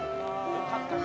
よかったな